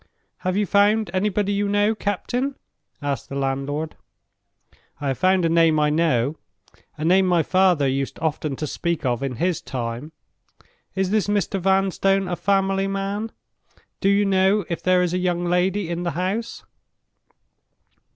"Have you found anybody you know, captain?" asked the landlord. "I have found a name I know—a name my father used often to speak of in his time. Is this Mr. Vanstone a family man? Do you know if there is a young lady in the house?"